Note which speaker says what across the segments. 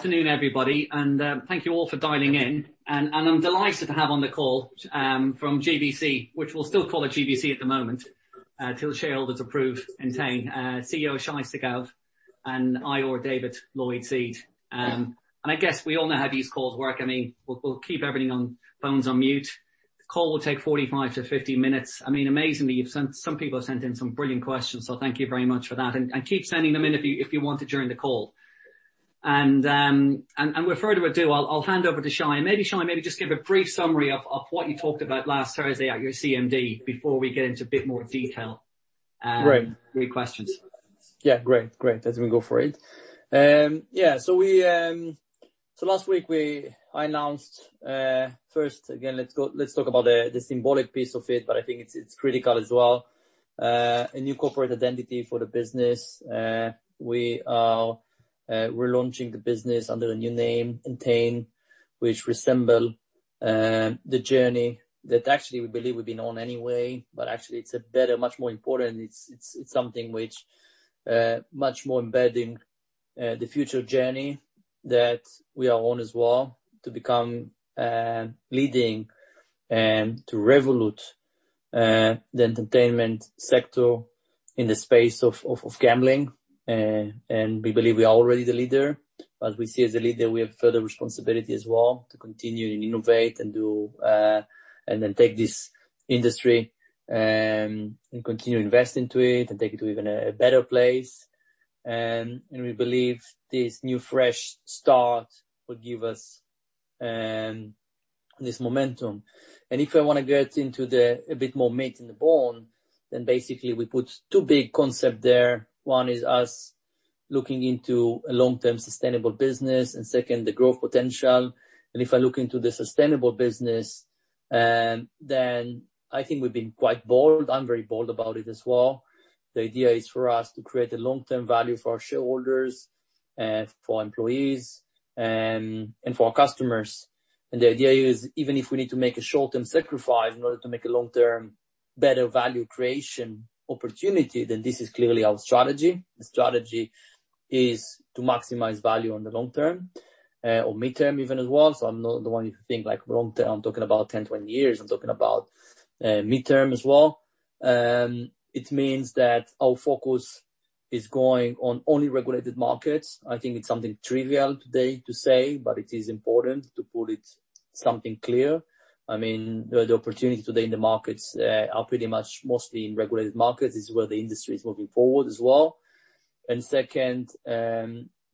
Speaker 1: afternoon, everybody, and thank you all for dialing in. I'm delighted to have on the call from GVC, which we'll still call it GVC at the moment, till shareholders approve Entain, CEO Shay Segev, and also David Lloyd-Seed. I guess we all know how these calls work. I mean, we'll keep everything on phones on mute. The call will take 45 to 50 minutes. I mean, amazingly, some people have sent in some brilliant questions, so thank you very much for that. Keep sending them in if you want to during the call. Without further ado, I'll hand over to Shay. Maybe Shay, maybe just give a brief summary of what you talked about last Thursday at your CMD before we get into a bit more detail.
Speaker 2: Right.
Speaker 3: Great questions.
Speaker 2: Yeah, great. Great. Let me go for it. Yeah, so last week, I announced first, again, let's talk about the symbolic piece of it, but I think it's critical as well. A new corporate identity for the business. We're launching the business under a new name, Entain, which resembles the journey that actually we believe we've been on anyway, but actually it's a better, much more important. It's something which is much more embedded in the future journey that we are on as well to become leading and to revolutionize the entertainment sector in the space of gambling. And we believe we are already the leader. As we see as a leader, we have further responsibility as well to continue and innovate and do and then take this industry and continue investing into it and take it to even a better place. We believe this new fresh start will give us this momentum, and if I want to get into a bit more meat on the bone, then basically we put two big concepts there. One is us looking into a long-term sustainable business, and second, the growth potential, and if I look into the sustainable business, then I think we've been quite bold. I'm very bold about it as well. The idea is for us to create a long-term value for our shareholders, for employees, and for our customers, and the idea is even if we need to make a short-term sacrifice in order to make a long-term better value creation opportunity, then this is clearly our strategy. The strategy is to maximize value on the long term or mid-term even as well, so I'm not the one who thinks long term. I'm talking about 10, 20 years. I'm talking about mid-term as well. It means that our focus is going on only regulated markets. I think it's something trivial today to say, but it is important to put something clear. I mean, the opportunity today in the markets are pretty much mostly in regulated markets is where the industry is moving forward as well. And second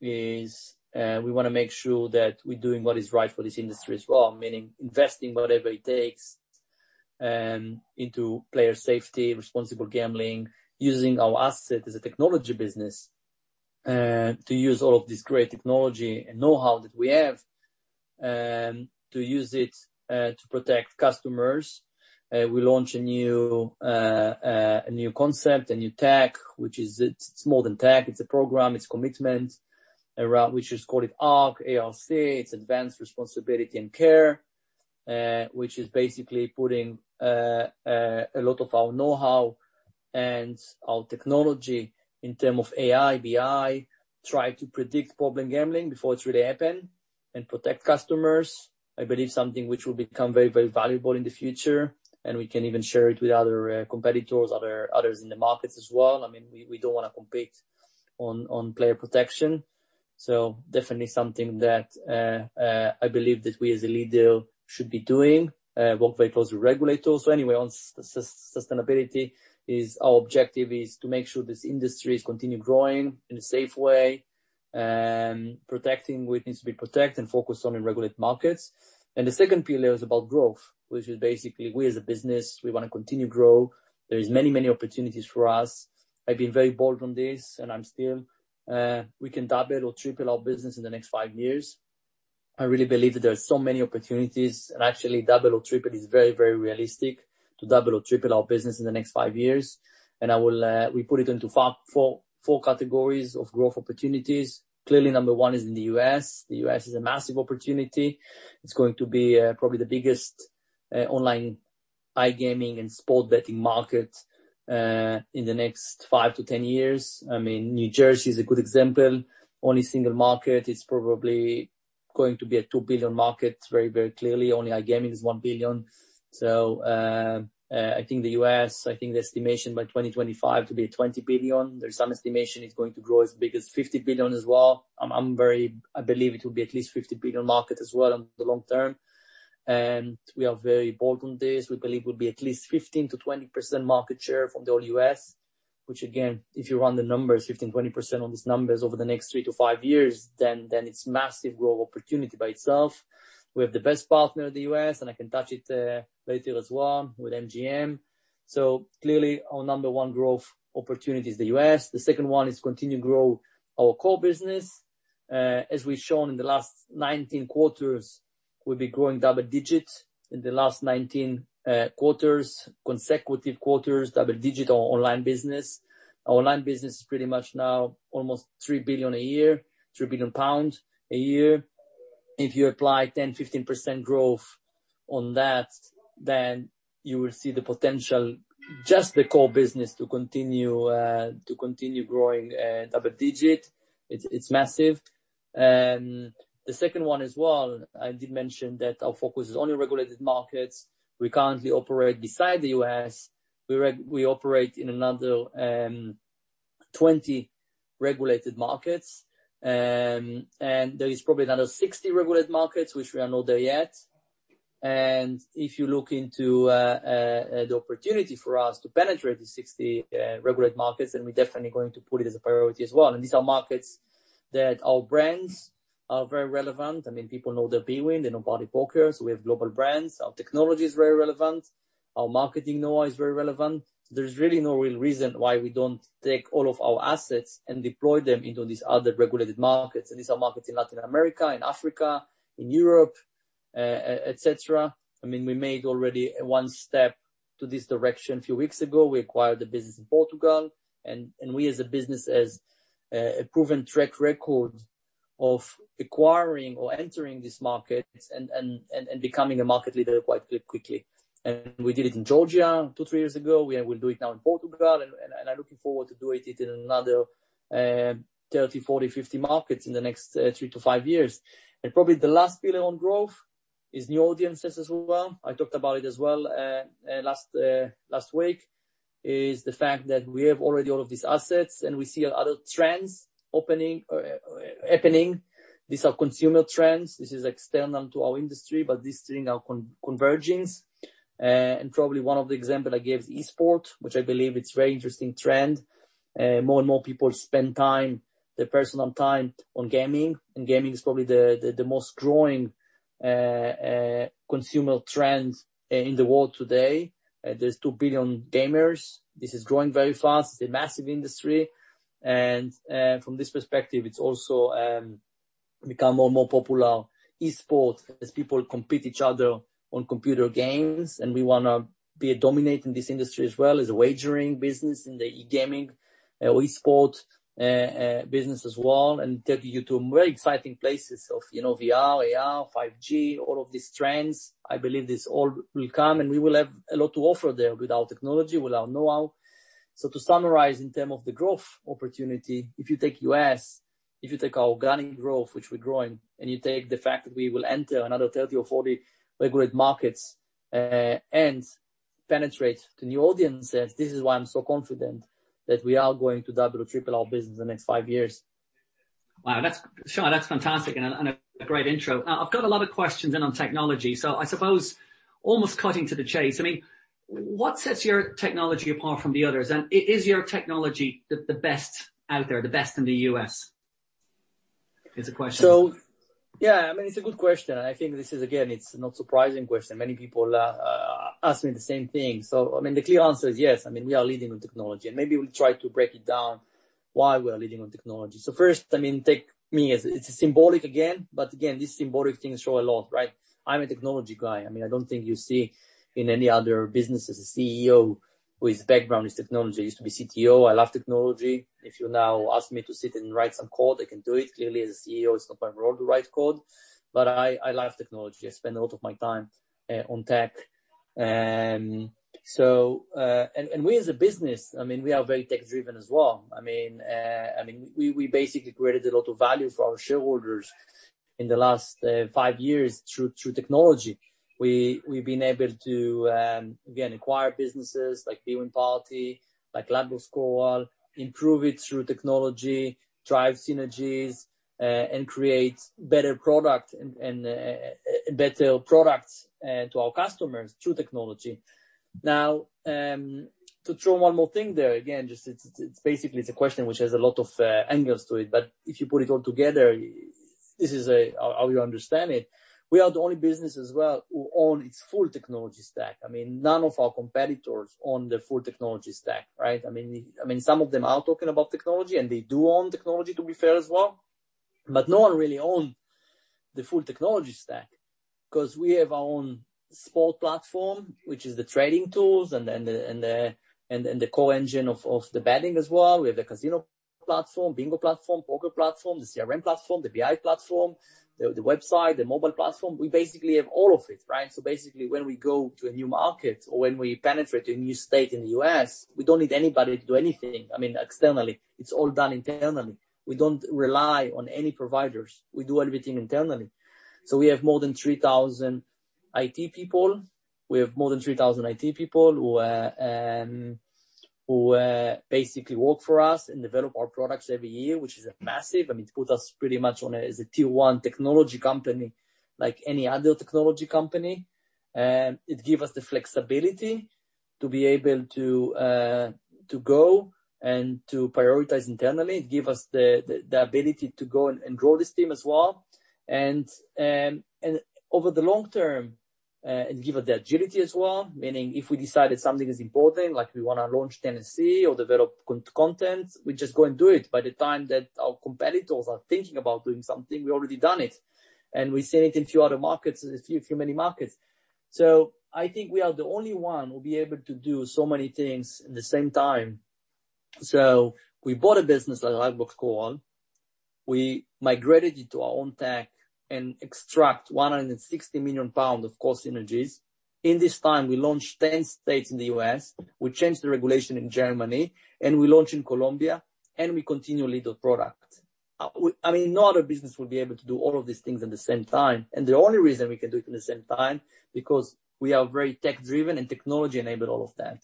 Speaker 2: is we want to make sure that we're doing what is right for this industry as well, meaning investing whatever it takes into player safety, responsible gambling, using our asset as a technology business to use all of this great technology and know-how that we have to use it to protect customers. We launched a new concept, a new tech, which is it's more than tech. It's a program. It's commitment, which is called ARC, A-R-C. It's Advanced Responsibility and Care, which is basically putting a lot of our know-how and our technology in terms of AI, BI, try to predict problem gambling before it's really happened and protect customers. I believe something which will become very, very valuable in the future, and we can even share it with other competitors, others in the markets as well. I mean, we don't want to compete on player protection. So definitely something that I believe that we as a leader should be doing, work very closely with regulators. So anyway, on sustainability, our objective is to make sure this industry is continuing to grow in a safe way, protecting what needs to be protected and focused on in regulated markets. And the second pillar is about growth, which is basically we as a business, we want to continue to grow. There are many, many opportunities for us. I've been very bold on this, and I'm still we can double or triple our business in the next five years. I really believe that there are so many opportunities, and actually double or triple is very, very realistic to double or triple our business in the next five years, and we put it into four categories of growth opportunities. Clearly, number one is in the US. The US is a massive opportunity. It's going to be probably the biggest online iGaming and sports betting market in the next five to 10 years. I mean, New Jersey is a good example. Only single market. It's probably going to be a $2 billion market, very, very clearly. Only iGaming is $1 billion. So I think the US, I think the estimation by 2025 to be $20 billion. There's some estimation it's going to grow as big as $50 billion as well. I believe it will be at least $50 billion market as well in the long term, and we are very bold on this. We believe we'll be at least 15%-20% market share from the whole US, which again, if you run the numbers, 15%-20% on these numbers over the next three-to-five years, then it's massive growth opportunity by itself. We have the best partner in the US, and I can touch it later as well with MGM, so clearly, our number one growth opportunity is the US. The second one is to continue to grow our core business. As we've shown in the last 19 quarters, we'll be growing double digits in the last 19 quarters, consecutive quarters, double digit online business. Our online business is pretty much now almost pounds 3 billion a year, pounds 3 billion a year. If you apply 10% to 15% growth on that, then you will see the potential, just the core business to continue growing double-digit. It's massive. The second one as well. I did mention that our focus is only regulated markets. We currently operate besides the US. We operate in another 20 regulated markets, and there is probably another 60 regulated markets, which we are not there yet. If you look into the opportunity for us to penetrate these 60 regulated markets, then we're definitely going to put it as a priority as well. These are markets that our brands are very relevant. I mean, people know the bwin. They know partypoker. So we have global brands. Our technology is very relevant. Our marketing know-how is very relevant. There's really no real reason why we don't take all of our assets and deploy them into these other regulated markets. These are markets in Latin America, in Africa, in Europe, etc. I mean, we made already one step to this direction a few weeks ago. We acquired the business in Portugal. We as a business have a proven track record of acquiring or entering these markets and becoming a market leader quite quickly. We did it in Georgia two, three years ago. We will do it now in Portugal. I'm looking forward to doing it in another 30, 40, 50 markets in the next three to five years. Probably the last pillar on growth is new audiences as well. I talked about it as well last week. It is the fact that we have already all of these assets and we see other trends happening. These are consumer trends. This is external to our industry, but these things are converging, and probably one of the examples I gave is esports, which I believe is a very interesting trend. More and more people spend their personal time on gaming. Gaming is probably the most growing consumer trend in the world today. There are two billion gamers. This is growing very fast. It is a massive industry. From this perspective, it has also become more and more popular, esports, as people compete each other on computer games. We want to be dominating this industry as well as a wagering business in the e-gaming or esports business as well and take you to very exciting places of VR, AR, 5G, all of these trends. I believe this all will come, and we will have a lot to offer there with our technology, with our know-how. So to summarize in terms of the growth opportunity, if you take US, if you take our organic growth, which we're growing, and you take the fact that we will enter another 30 or 40 regulated markets and penetrate to new audiences, this is why I'm so confident that we are going to double or triple our business in the next five years.
Speaker 1: Wow, Shay, that's fantastic and a great intro. I've got a lot of questions in on technology. So I suppose almost cutting to the chase. I mean, what sets your technology apart from the others? And is your technology the best out there, the best in the US? That's the question.
Speaker 2: So yeah, I mean, it's a good question. I think this is, again, it's not a surprising question. Many people ask me the same thing. So I mean, the clear answer is yes. I mean, we are leading on technology. And maybe we'll try to break it down why we are leading on technology. So first, I mean, take me. It's symbolic again. But again, these symbolic things show a lot, right? I'm a technology guy. I mean, I don't think you see in any other business as a CEO whose background is technology. I used to be CTO. I love technology. If you now ask me to sit and write some code, I can do it. Clearly, as a CEO, it's not my role to write code. But I love technology. I spend a lot of my time on tech. We as a business, I mean, we are very tech-driven as well. I mean, we basically created a lot of value for our shareholders in the last five years through technology. We've been able to, again, acquire businesses like bwin.party, like Ladbrokes Coral, improve it through technology, drive synergies, and create better products and better products to our customers through technology. Now, to throw one more thing there, again, just it's basically a question which has a lot of angles to it. But if you put it all together, this is how you understand it. We are the only business as well who owns its full technology stack. I mean, none of our competitors own the full technology stack, right? I mean, some of them are talking about technology, and they do own technology, to be fair as well. But no one really owns the full technology stack because we have our own sport platform, which is the trading tools and the core engine of the betting as well. We have the casino platform, bingo platform, poker platform, the CRM platform, the BI platform, the website, the mobile platform. We basically have all of it, right? So basically, when we go to a new market or when we penetrate a new state in the US, we don't need anybody to do anything. I mean, externally, it's all done internally. We don't rely on any providers. We do everything internally. So we have more than 3,000 IT people. We have more than 3,000 IT people who basically work for us and develop our products every year, which is massive. I mean, it puts us pretty much on a tier one technology company like any other technology comp any. It gives us the flexibility to be able to go and to prioritize internally. It gives us the ability to go and grow this team as well. And over the long term, it gives us the agility as well. Meaning, if we decide that something is important, like we want to launch Tennessee or develop content, we just go and do it. By the time that our competitors are thinking about doing something, we've already done it. And we've seen it in a few other markets, a few many markets. So I think we are the only one who will be able to do so many things at the same time. So we bought a business like Ladbrokes Coral. We migrated it to our own tech and extracted pounds 160 million of core synergies. In this time, we launched 10 states in the US. We changed the regulation in Germany, and we launched in Colombia, and we continue to lead the product. I mean, no other business will be able to do all of these things at the same time, and the only reason we can do it at the same time is because we are very tech-driven and technology enables all of that.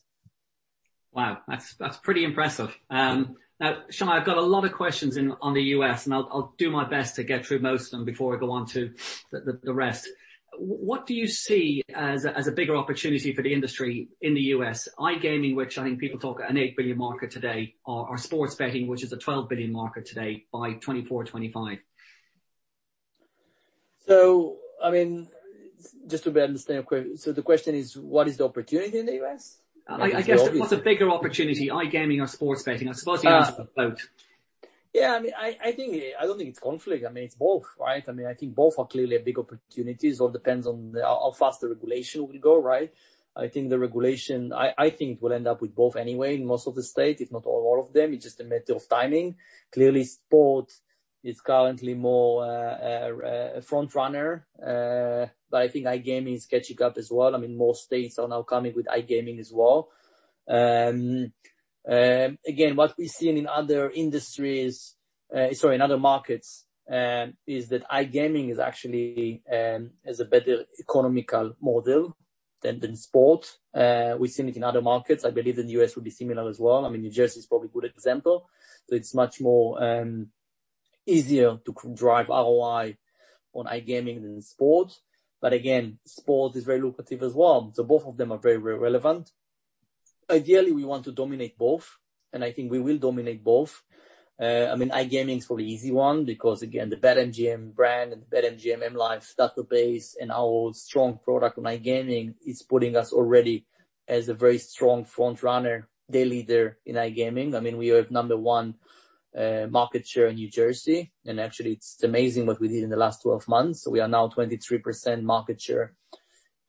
Speaker 1: Wow, that's pretty impressive. Now, Shay, I've got a lot of questions on the US, and I'll do my best to get through most of them before I go on to the rest. What do you see as a bigger opportunity for the industry in the US? iGaming, which I think people talk about as an $8 billion market today, or sports betting, which is a $12 billion market today by 2024, 2025?
Speaker 2: So I mean, just to be understood, so the question is, what is the opportunity in the US?
Speaker 1: I guess what's a bigger opportunity? iGaming or sports betting? I suppose you answered both.
Speaker 2: Yeah, I mean, I don't think it's conflict. I mean, it's both, right? I mean, I think both are clearly big opportunities. It all depends on how fast the regulation will go, right? I think the regulation, I think it will end up with both anyway in most of the states, if not all of them. It's just a matter of timing. Clearly, sport is currently more a front runner. But I think iGaming is catching up as well. I mean, more states are now coming with iGaming as well. Again, what we've seen in other industries, sorry, in other markets, is that iGaming actually has a better economical model than sport. We've seen it in other markets. I believe in the US, it would be similar as well. I mean, New Jersey is probably a good example. So it's much more easier to drive ROI on iGaming than sport. But again, sport is very lucrative as well. So both of them are very, very relevant. Ideally, we want to dominate both, and I think we will dominate both. I mean, iGaming is probably the easy one because, again, the BetMGM brand and the BetMGM M Life database and our strong product on iGaming is putting us already as a very strong front runner, market leader in iGaming. I mean, we have number one market share in New Jersey. And actually, it's amazing what we did in the last 12 months. So we are now 23% market share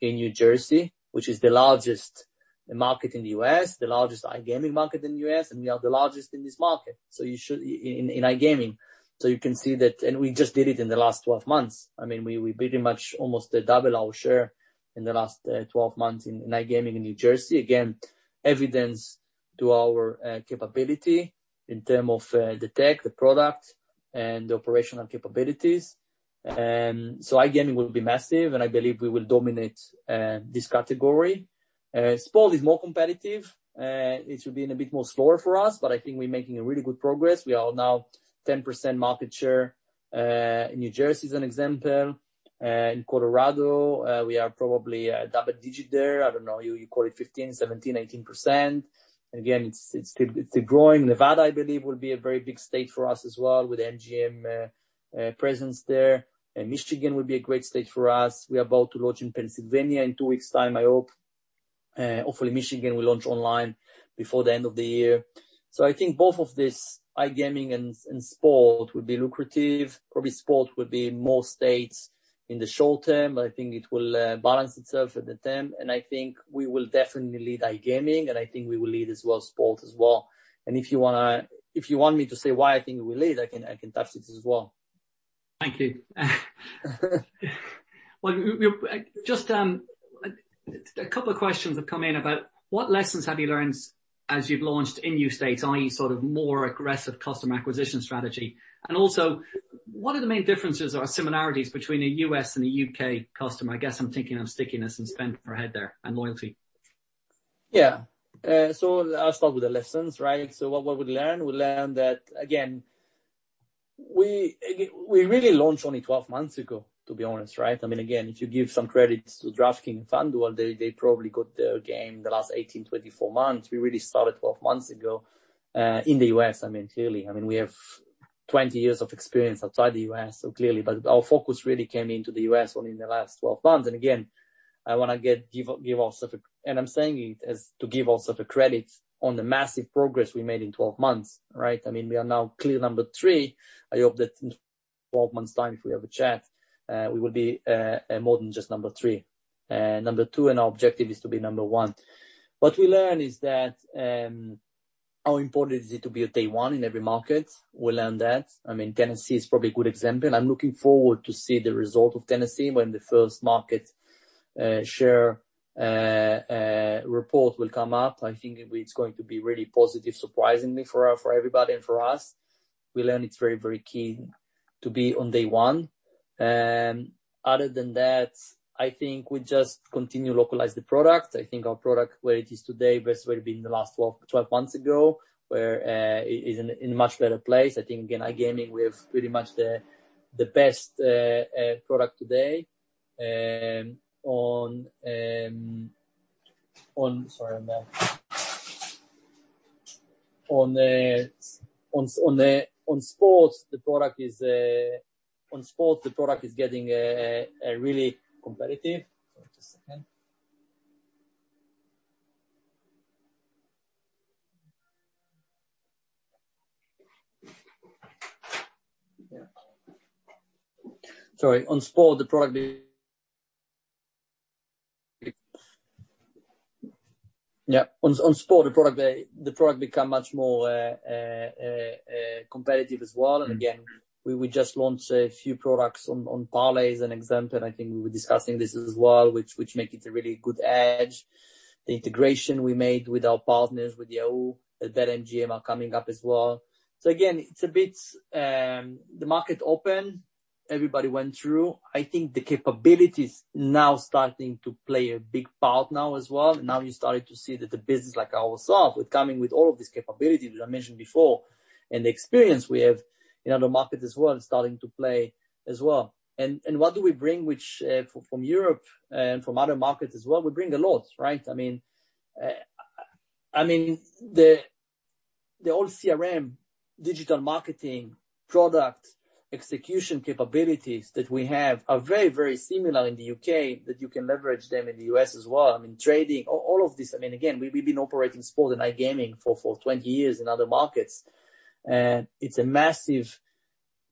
Speaker 2: in New Jersey, which is the largest market in the US, the largest iGaming market in the US, and we are the largest in this market in iGaming. So you can see that, and we just did it in the last 12 months. I mean, we pretty much almost doubled our share in the last 12 months in iGaming in New Jersey. Again, evidence to our capability in terms of the tech, the product, and the operational capabilities. So iGaming will be massive, and I believe we will dominate this category. Sport is more competitive. It should be a bit more slower for us, but I think we're making really good progress. We are now 10% market share. New Jersey is an example. In Colorado, we are probably double digit there. I don't know. You call it 15%, 17%, 18%. Again, it's still growing. Nevada, I believe, will be a very big state for us as well with MGM presence there. Michigan will be a great state for us. We are about to launch in Pennsylvania in two weeks' time, I hope. Hopefully, Michigan will launch online before the end of the year. So I think both of this, iGaming and sport, will be lucrative. Probably sport will be more states in the short term, but I think it will balance itself at the time. And I think we will definitely lead iGaming, and I think we will lead as well sport as well. And if you want me to say why I think we will lead, I can touch this as well.
Speaker 1: Thank you. Just a couple of questions have come in about what lessons have you learned as you've launched in new states, i.e., sort of more aggressive customer acquisition strategy? And also, what are the main differences or similarities between a US and a UK customer? I guess I'm thinking of stickiness and spending per head there and loyalty.
Speaker 2: Yeah, so I'll start with the lessons, right? So what we learned? We learned that, again, we really launched only 12 months ago, to be honest, right? I mean, again, if you give some credit to DraftKings and FanDuel, they probably got their game the last 18, 24 months. We really started 12 months ago in the US. I mean, clearly, I mean, we have 20 years of experience outside the US, so clearly. But our focus really came into the US only in the last 12 months, and again, I want to give ourselves a—and I'm saying it as to give ourselves a credit on the massive progress we made in 12 months, right? I mean, we are now clear number three. I hope that in 12 months' time, if we have a chat, we will be more than just number three. Number two in our objective is to be number one. What we learned is that how important is it to be a day one in every market? We learned that. I mean, Tennessee is probably a good example. I'm looking forward to seeing the result of Tennessee when the first market share report will come up. I think it's going to be really positive, surprisingly, for everybody and for us. We learned it's very, very key to be on day one. Other than that, I think we just continue to localize the product. I think our product, where it is today, versus where it had been the last 12 months ago, is in a much better place. I think, again, iGaming, we have pretty much the best product today. Sorry. On sports, the product is getting really competitive. Just a second. Yeah. Sorry. On sports, the product, yeah. On sports, the product became much more competitive as well, and again, we just launched a few products on parlay as an example. I think we were discussing this as well, which makes it a really good edge. The integration we made with our partners, with Yahoo, with BetMGM are coming up as well. So again, it's a bit the market open, everybody went through. I think the capabilities are now starting to play a big part now as well, and now you started to see that the business, like ourselves, with coming with all of these capabilities, which I mentioned before, and the experience we have in other markets as well is starting to play as well, and what do we bring from Europe and from other markets as well? We bring a lot, right? I mean, the whole CRM, digital marketing, product execution capabilities that we have are very, very similar in the UK that you can leverage them in the US as well. I mean, trading, all of this. I mean, again, we've been operating sport and iGaming for 20 years in other markets, and it's a massive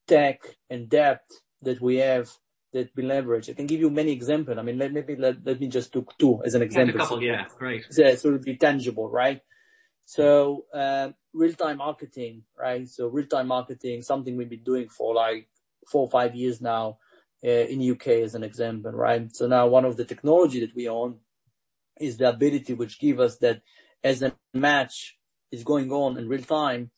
Speaker 2: tech and depth that we have that we leverage. I can give you many examples. I mean, let me just take two as an example.
Speaker 1: Take a couple. Yeah, great.
Speaker 2: So it would be tangible, right? So real-time marketing, right? So real-time marketing, something we've been doing for like four or five years now in the UK as an example, right? So now one of the technologies that we own is the ability which gives us that as a match is going on in real time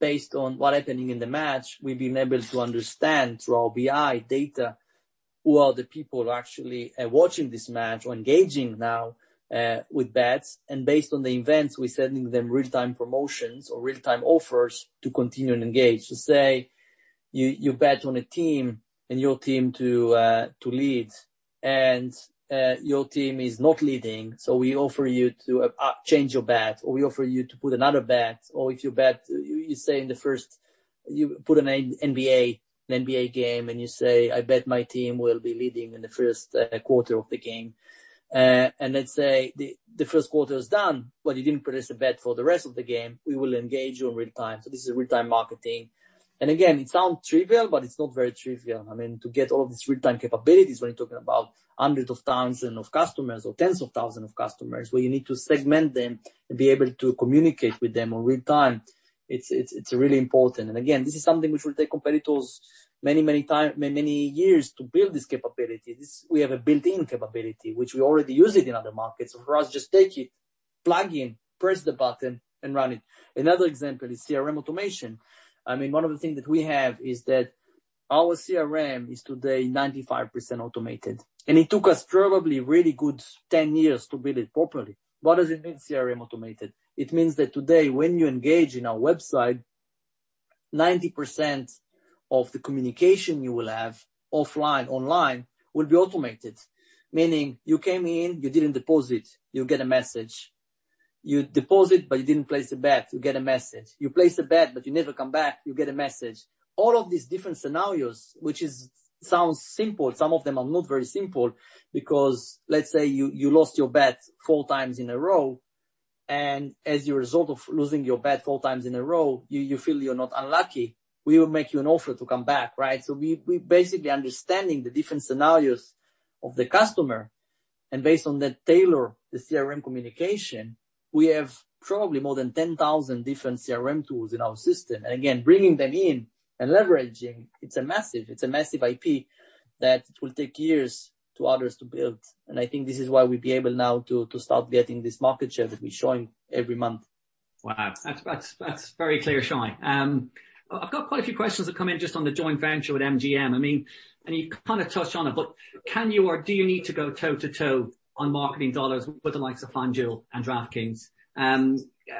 Speaker 2: based on what's happening in the match. We've been able to understand through our BI data who are the people actually watching this match or engaging now with bets. And based on the events, we're sending them real-time promotions or real-time offers to continue and engage. So say you bet on a team and your team to lead, and your team is not leading, so we offer you to change your bet, or we offer you to put another bet. Or if you bet, you say in the first, you put an NBA game, and you say, "I bet my team will be leading in the first quarter of the game." And let's say the first quarter is done, but you didn't place a bet for the rest of the game, we will engage you in real time. So this is real-time marketing. And again, it sounds trivial, but it's not very trivial. I mean, to get all of these real-time capabilities when you're talking about hundreds of thousands of customers or tens of thousands of customers where you need to segment them and be able to communicate with them in real time, it's really important. And again, this is something which will take competitors many, many years, many years to build this capability. We have a built-in capability, which we already use in other markets. For us, just take it, plug in, press the button, and run it. Another example is CRM automation. I mean, one of the things that we have is that our CRM is today 95% automated. And it took us probably really good 10 years to build it properly. What does it mean, CRM automated? It means that today, when you engage in our website, 90% of the communication you will have offline, online, will be automated. Meaning, you came in, you didn't deposit, you get a message. You deposit, but you didn't place a bet, you get a message. You place a bet, but you never come back, you get a message. All of these different scenarios, which sound simple, some of them are not very simple because let's say you lost your bet four times in a row. And as a result of losing your bet four times in a row, you feel you're not unlucky. We will make you an offer to come back, right? So we basically understand the different scenarios of the customer. And based on that, tailor the CRM communication. We have probably more than 10,000 different CRM tools in our system. And again, bringing them in and leveraging, it's a massive IP that will take years for others to build. And I think this is why we'll be able now to start getting this market share that we're showing every month.
Speaker 1: Wow. That's very clear, Shay. I've got quite a few questions that come in just on the joint venture with MGM. I mean, and you kind of touched on it, but can you or do you need to go toe-to-toe on marketing dollars with the likes of FanDuel and DraftKings?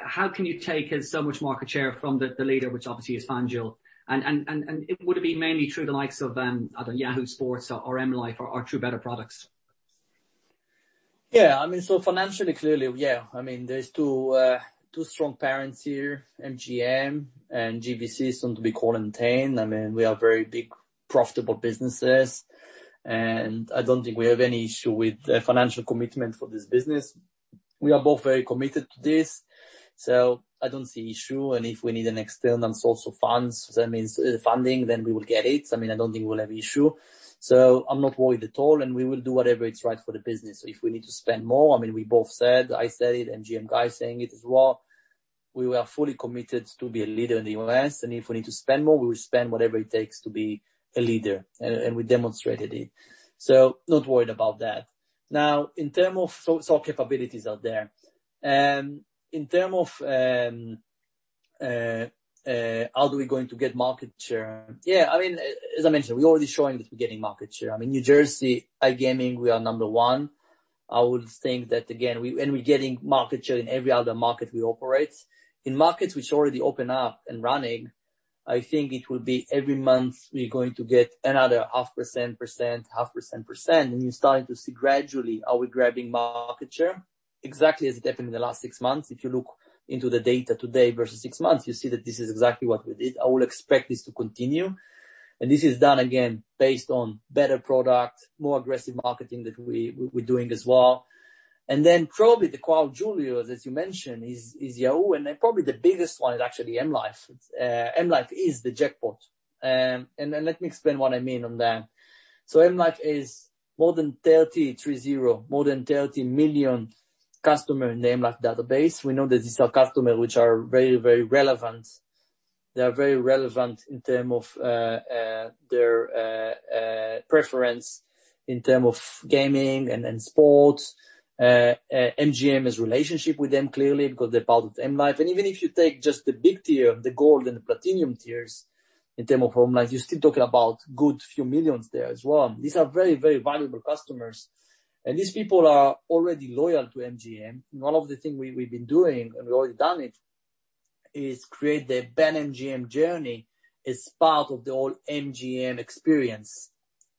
Speaker 1: How can you take so much market share from the leader, which obviously is FanDuel? And would it be mainly through the likes of, I don't know, Yahoo Sports or MLive or true better products?
Speaker 2: Yeah. I mean, so financially, clearly, yeah. I mean, there's two strong parents here, MGM and GVC, soon to be Entain. I mean, we are very big, profitable businesses. And I don't think we have any issue with the financial commitment for this business. We are both very committed to this, so I don't see an issue. And if we need an external source of funds, that means funding, then we will get it. I mean, I don't think we'll have an issue, so I'm not worried at all. And we will do whatever is right for the business. If we need to spend more, I mean, we both said, I said it, MGM guy saying it as well. We were fully committed to be a leader in the US. And if we need to spend more, we will spend whatever it takes to be a leader. And we demonstrated it. So not worried about that. Now, in terms of, so our capabilities are there. In terms of how are we going to get market share? Yeah. I mean, as I mentioned, we're already showing that we're getting market share. I mean, New Jersey, iGaming, we are number one. I would think that, again, and we're getting market share in every other market we operate. In markets which are already open up and running, I think it will be every month we're going to get another 0.5% to 1%. And you're starting to see gradually how we're grabbing market share, exactly as it happened in the last six months. If you look into the data today versus six months, you see that this is exactly what we did. I would expect this to continue. And this is done, again, based on better product, more aggressive marketing that we're doing as well. And then probably the crown jewel, as you mentioned, is Yahoo. And probably the biggest one is actually MLive. MLive is the jackpot. And let me explain what I mean on that. So MLive is more than 30 million customers in the MLive database. We know that these are customers which are very, very relevant. They are very relevant in terms of their preference in terms of gaming and sports. MGM has a relationship with them, clearly, because they're part of MLive. And even if you take just the big tier, the gold and the platinum tiers in terms of MLive, you're still talking about a good few millions there as well. These are very, very valuable customers. And these people are already loyal to MGM. And one of the things we've been doing, and we've already done it, is create the BetMGM journey as part of the whole MGM experience.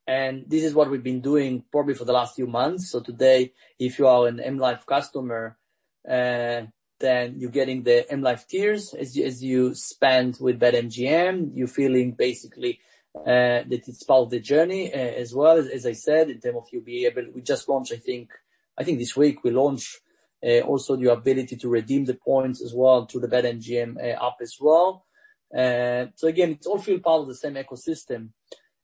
Speaker 2: And this is what we've been doing probably for the last few months. So today, if you are an M life customer, then you're getting the M life tiers. As you spend with BetMGM, you're feeling basically that it's part of the journey as well. As I said, in terms of you being able, we just launched, I think, I think this week we launched also the ability to redeem the points as well through the BetMGM app as well. So again, it's all part of the same ecosystem.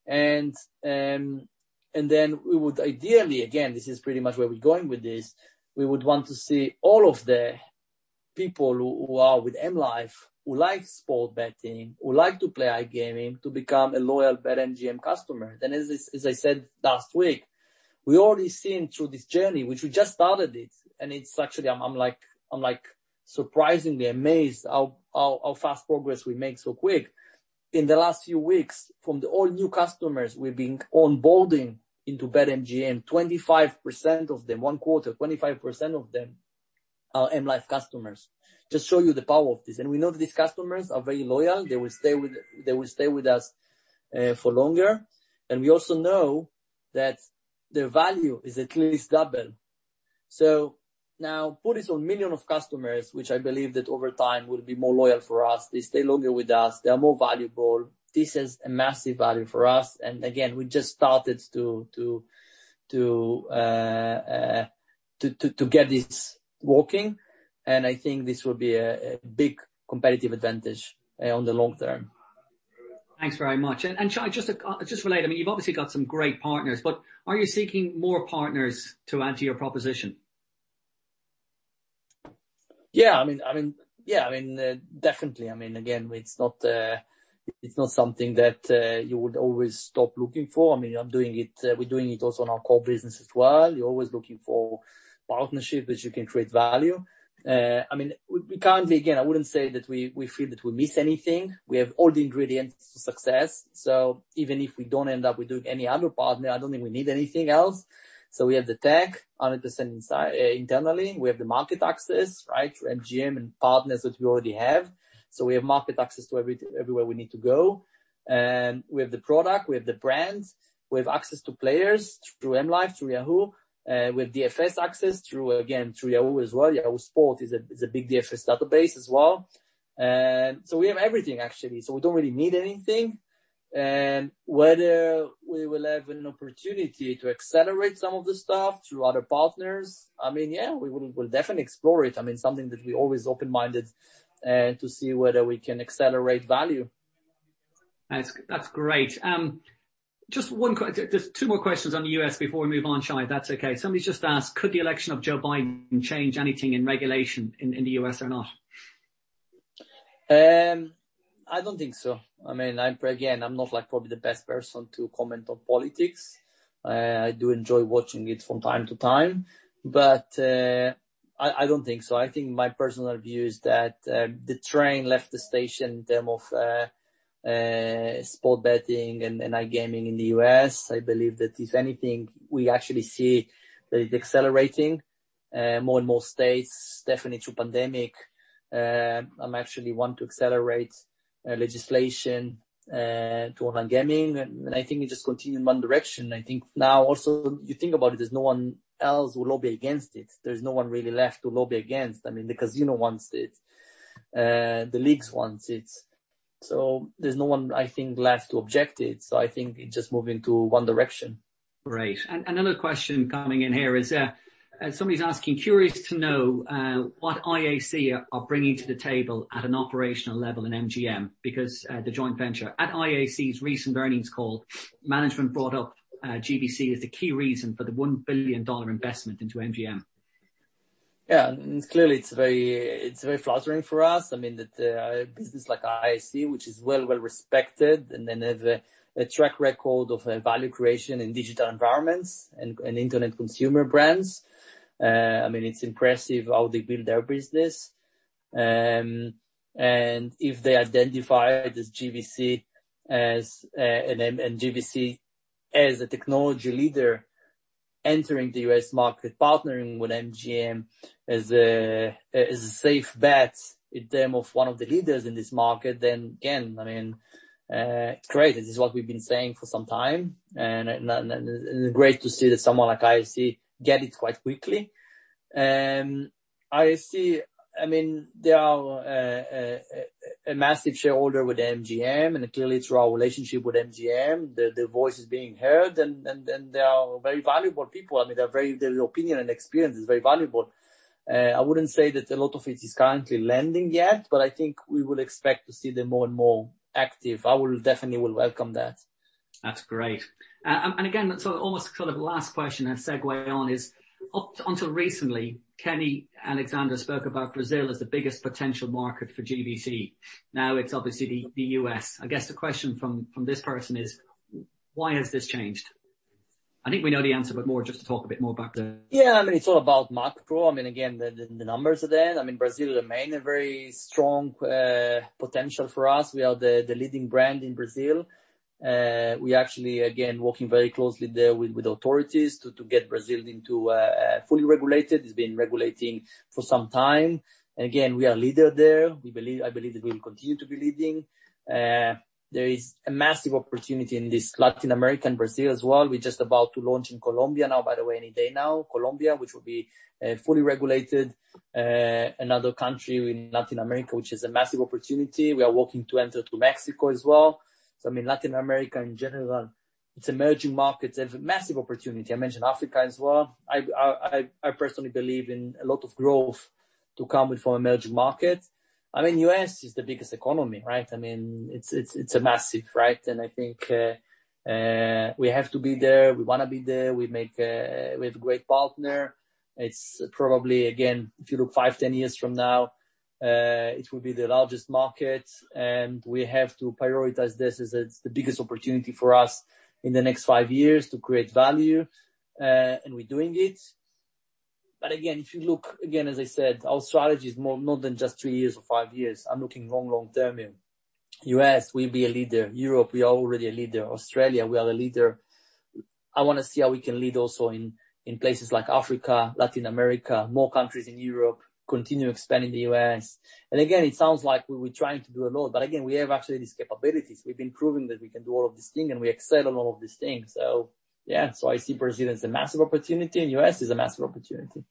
Speaker 2: And then we would ideally, again, this is pretty much where we're going with this, we would want to see all of the people who are with MLive, who like sport betting, who like to play iGaming, to become a loyal BetMGM customer. And as I said last week, we're already seeing through this journey, which we just started it. And it's actually. I'm surprisingly amazed how fast progress we make so quick. In the last few weeks, from the all-new customers we've been onboarding into BetMGM, 25% of them, one quarter, 25% of them are MLive customers. Just show you the power of this. And we know that these customers are very loyal. They will stay with us for longer. And we also know that their value is at least double. So now, put it on millions of customers, which I believe that over time will be more loyal for us. They stay longer with us. They are more valuable. This is a massive value for us. And again, we just started to get this working. And I think this will be a big competitive advantage on the long term.
Speaker 1: Thanks very much. And Shay, just to relate, I mean, you've obviously got some great partners, but are you seeking more partners to add to your proposition?
Speaker 2: Yeah. I mean, yeah, I mean, definitely. I mean, again, it's not something that you would always stop looking for. I mean, we're doing it also in our core business as well. You're always looking for partnerships that you can create value. I mean, currently, again, I wouldn't say that we feel that we miss anything. We have all the ingredients for success. So even if we don't end up with any other partner, I don't think we need anything else. So we have the tech 100% internally. We have the market access, right, through MGM and partners that we already have. So we have market access to everywhere we need to go. And we have the product. We have the brand. We have access to players through MLive, through Yahoo. We have DFS access through, again, through Yahoo as well. Yahoo Sports is a big DFS database as well. So we have everything, actually. So we don't really need anything. And whether we will have an opportunity to accelerate some of the stuff through other partners, I mean, yeah, we will definitely explore it. I mean, something that we're always open-minded to see whether we can accelerate value.
Speaker 1: That's great. Just two more questions on the US before we move on, Shay, if that's okay. Somebody just asked, could the election of Joe Biden change anything in regulation in the US or not?
Speaker 2: I don't think so. I mean, again, I'm probably not the best person to comment on politics. I do enjoy watching it from time to time, but I don't think so. I think my personal view is that the train left the station in terms of sports betting and iGaming in the US. I believe that if anything, we actually see that it's accelerating in more and more states, definitely through the pandemic. We actually want to accelerate legislation to online gaming, and I think it just continues in one direction. I think now, also, you think about it, there's no one else who will lobby against it. There's no one really left to lobby against. I mean, the casinos want it. The leagues want it. So there's no one, I think, left to object to it, so I think it's just moving in one direction.
Speaker 1: Great. Another question coming in here is somebody's asking, curious to know what IAC are bringing to the table at an operational level in MGM because of the joint venture. At IAC's recent earnings call, management brought up GVC as the key reason for the $1 billion investment into MGM.
Speaker 2: Yeah. Clearly, it's very flattering for us. I mean, a business like IAC, which is well-respected and has a track record of value creation in digital environments and internet consumer brands. I mean, it's impressive how they build their business, and if they identify GVC and GVC as a technology leader entering the US market, partnering with MGM as a safe bet in terms of one of the leaders in this market, then again, I mean, great. This is what we've been saying for some time, and it's great to see that someone like IAC gets it quite quickly. IAC, I mean, they are a massive shareholder with MGM, and clearly, through our relationship with MGM, the voice is being heard, and they are very valuable people. I mean, their opinion and experience is very valuable. I wouldn't say that a lot of it is currently lending yet, but I think we will expect to see them more and more active. I will definitely welcome that.
Speaker 1: That's great. And again, sort of the last question and segue on is, up until recently, Kenny Alexander spoke about Brazil as the biggest potential market for GVC. Now, it's obviously the US. I guess the question from this person is, why has this changed? I think we know the answer, but more just to talk a bit more about the.
Speaker 2: Yeah. I mean, it's all about macro. I mean, again, the numbers are there. I mean, Brazil remains a very strong potential for us. We are the leading brand in Brazil. We actually, again, are working very closely there with authorities to get Brazil fully regulated. It's been regulating for some time, and again, we are a leader there. I believe that we will continue to be leading. There is a massive opportunity in this Latin America and Brazil as well. We're just about to launch in Colombia now, by the way, any day now, Colombia, which will be fully regulated. Another country in Latin America, which is a massive opportunity. We are working to enter Mexico as well. So I mean, Latin America in general, it's emerging markets. They have a massive opportunity. I mentioned Africa as well. I personally believe in a lot of growth to come from emerging markets. I mean, the US is the biggest economy, right? I mean, it's massive, right, and I think we have to be there. We want to be there. We have a great partner. It's probably, again, if you look five, 10 years from now, it will be the largest market, and we have to prioritize this as the biggest opportunity for us in the next five years to create value, and we're doing it. But again, if you look, again, as I said, our strategy is more than just three years or five years. I'm looking long, long-term here. US, we'll be a leader. Europe, we are already a leader. Australia, we are the leader. I want to see how we can lead also in places like Africa, Latin America, more countries in Europe, continue expanding the US. Again, it sounds like we're trying to do a lot. Again, we have actually these capabilities. We've been proving that we can do all of these things, and we excel in all of these things. Yeah, so I see Brazil as a massive opportunity. The US is a massive opportunity.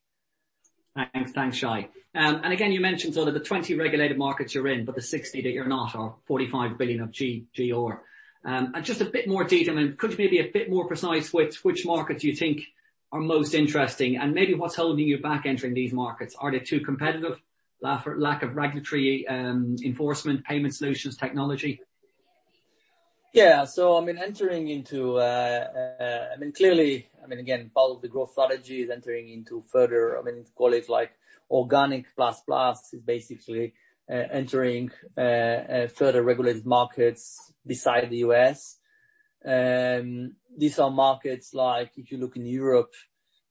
Speaker 1: Thanks. Thanks, Shay. And again, you mentioned sort of the 20 regulated markets you're in, but the 60 that you're not are pounds 45 billion of GGR. And just a bit more detail. I mean, could you maybe be a bit more precise with which markets you think are most interesting? And maybe what's holding you back entering these markets? Are they too competitive, lack of regulatory enforcement, payment solutions, technology?
Speaker 2: Yeah. So I mean, entering into. I mean, clearly, I mean, again, part of the growth strategy is entering into further. I mean, call it like organic plus-plus is basically entering further regulated markets besides the US. These are markets like, if you look in Europe,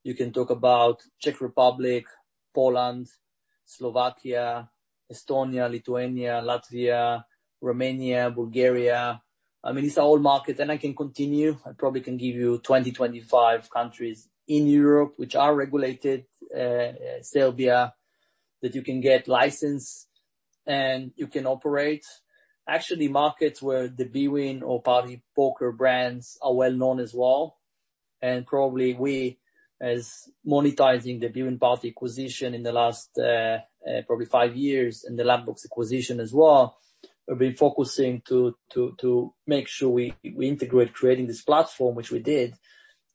Speaker 2: you can talk about Czech Republic, Poland, Slovakia, Estonia, Lithuania, Latvia, Romania, Bulgaria. I mean, these are all markets. And I can continue. I probably can give you 20 to 25 countries in Europe which are regulated, Serbia, that you can get licensed and you can operate. Actually, markets where the bwin or party poker brands are well-known as well. And probably we, as monetizing the bwin.party acquisition in the last probably five years and the Ladbrokes Coral acquisition as well, have been focusing to make sure we integrate creating this platform, which we did.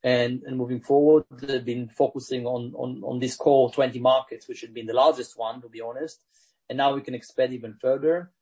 Speaker 2: Moving forward, they've been focusing on these core 20 markets, which have been the largest one, to be honest. Now we can expand even further.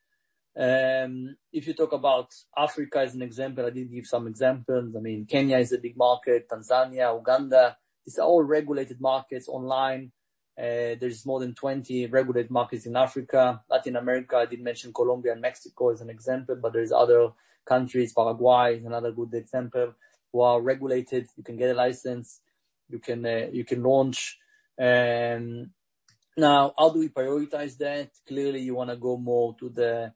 Speaker 2: If you talk about Africa as an example, I didn't give some examples. I mean, Kenya is a big market, Tanzania, Uganda. These are all regulated markets online. There's more than 20 regulated markets in Africa. Latin America, I did mention Colombia and Mexico as an example, but there's other countries. Paraguay is another good example who are regulated. You can get a license. You can launch. Now, how do we prioritize that? Clearly, you want to go more to the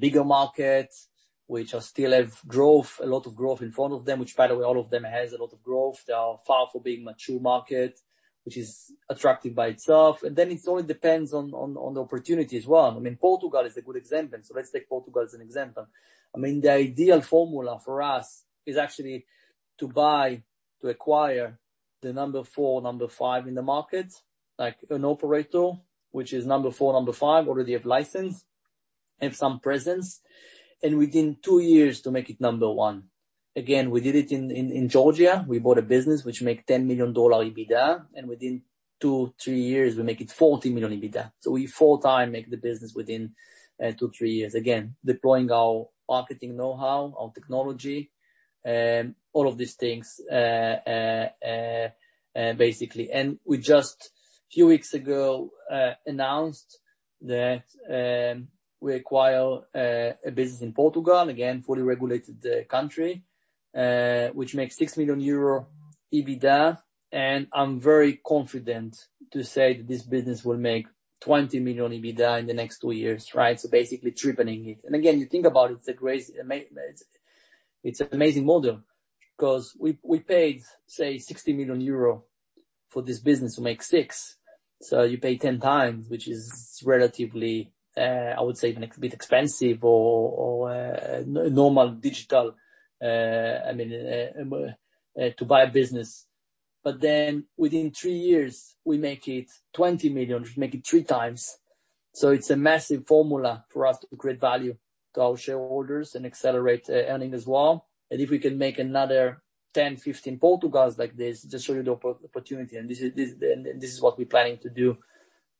Speaker 2: bigger markets, which still have growth, a lot of growth in front of them, which, by the way, all of them have a lot of growth. They are far from being a mature market, which is attractive by itself. Then it all depends on the opportunity as well. I mean, Portugal is a good example. Let's take Portugal as an example. I mean, the ideal formula for us is actually to buy, to acquire the number four, number five in the market, like an operator, which is number four, number five, already have license, have some presence, and within two years to make it number one. Again, we did it in Georgia. We bought a business, which makes $10 million EBITDA. And within two, three years, we make it $40 million EBITDA. We fully transform the business within two, three years. Again, deploying our marketing know-how, our technology, all of these things basically. And we just a few weeks ago announced that we acquire a business in Portugal, again, fully regulated country, which makes €6 million EBITDA. And I'm very confident to say that this business will make 20 million EBITDA in the next two years, right? So basically tripling it. And again, you think about it, it's an amazing model because we paid, say, 60 million euro for this business to make six. So you pay 10 times, which is relatively, I would say, a bit expensive or normal digital, I mean, to buy a business. But then within three years, we make it 20 million, which makes it three times. So it's a massive formula for us to create value to our shareholders and accelerate earning as well. And if we can make another 10, 15 Portugals like this, just show you the opportunity. And this is what we're planning to do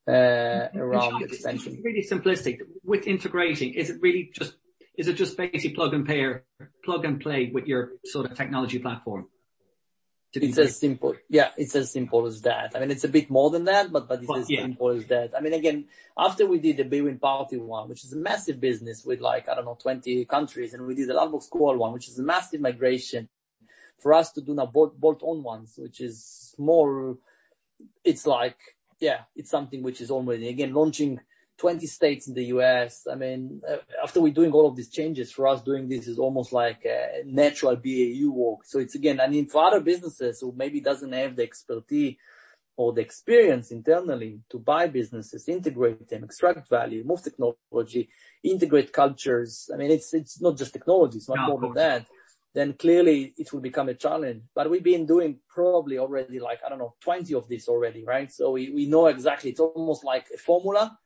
Speaker 2: around expansion.
Speaker 1: That's really simplistic. With integrating, is it really just - is it just basically plug and pay or plug and play with your sort of technology platform?
Speaker 2: It's as simple. Yeah, it's as simple as that. I mean, it's a bit more than that, but it's as simple as that. I mean, again, after we did the bwin.party one, which is a massive business with, I don't know, 20 countries, and we did the Ladbrokes Coral one, which is a massive migration for us to do now bolt-on ones, which is more, it's like, yeah, it's something which is already, again, launching 20 states in the US. I mean, after we're doing all of these changes, for us, doing this is almost like a natural BAU walk. So it's, again, I mean, for other businesses who maybe don't have the expertise or the experience internally to buy businesses, integrate them, extract value, move technology, integrate cultures, I mean, it's not just technology. It's much more than that. Then clearly, it will become a challenge. But we've been doing probably already, I don't know, 20 of these already, right? So we know exactly. It's almost like a formula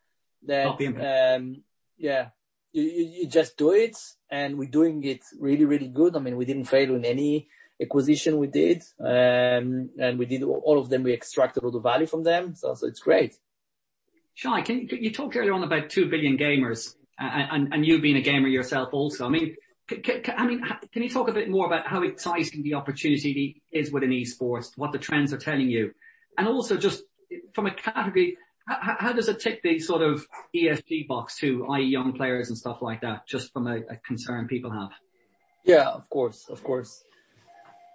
Speaker 2: that, yeah. You just do it. And we're doing it really, really good. I mean, we didn't fail in any acquisition we did. And we did all of them. We extracted all the value from them. So it's great.
Speaker 1: Shay, you talked earlier on about 2 billion gamers and you being a gamer yourself also. I mean, can you talk a bit more about how exciting the opportunity is within esports, what the trends are telling you? And also just from a category, how does it tick the sort of ESG box too, i.e., young players and stuff like that, just from a concern people have?
Speaker 2: Yeah, of course. Of course.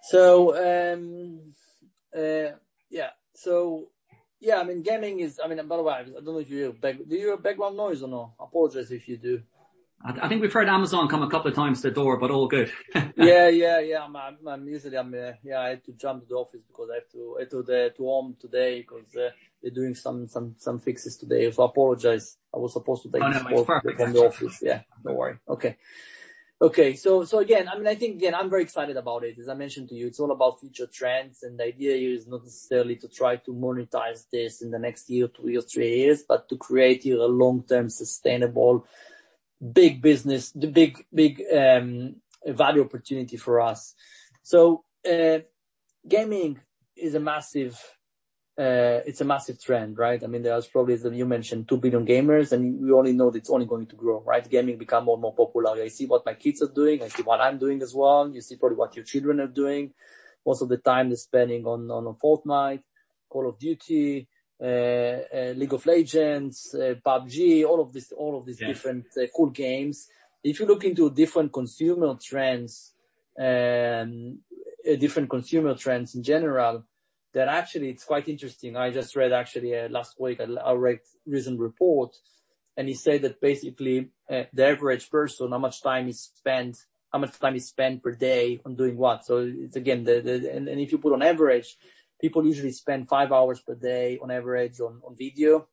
Speaker 2: So yeah. So yeah, I mean, gaming is. I mean, by the way, I don't know if you hear back. Do you hear background noise or no? I apologize if you do.
Speaker 1: I think we've heard Amazon come a couple of times to the door, but all good.
Speaker 2: Yeah, yeah, yeah. Usually, yeah, I had to jump to the office because I have to go home today because they're doing some fixes today. So I apologize. I was supposed to take this call from the office.
Speaker 1: No, no. It's perfect.
Speaker 2: Yeah. No worry. Okay. Okay. So again, I mean, I think, again, I'm very excited about it. As I mentioned to you, it's all about future trends. And the idea here is not necessarily to try to monetize this in the next year, two years, three years, but to create a long-term sustainable big business, the big value opportunity for us. So gaming is massive. It's a massive trend, right? I mean, there's probably, as you mentioned, 2 billion gamers, and we only know that it's only going to grow, right? Gaming becomes more and more popular. I see what my kids are doing. I see what I'm doing as well. You see probably what your children are doing. Most of the time, they're spending on Fortnite, Call of Duty, League of Legends, PUBG, all of these different cool games. If you look into different consumer trends in general, then actually, it's quite interesting. I just read actually last week a recent report, and he said that basically the average person, how much time he spends per day on doing what. So it's, again, and if you put on average, people usually spend five hours per day on average on video.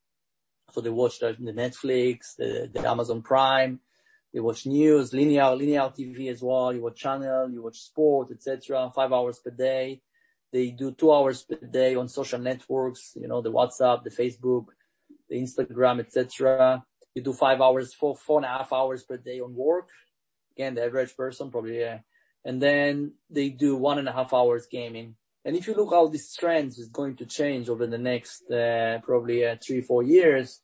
Speaker 2: So they watch Netflix, the Amazon Prime. They watch news, linear TV as well. You watch channel, you watch sports, etc., five hours per day. They do two hours per day on social networks, the WhatsApp, the Facebook, the Instagram, etc. You do four and a half hours per day on work. Again, the average person, probably, and then they do one and a half hours gaming. If you look at how this trend is going to change over the next probably three, four years,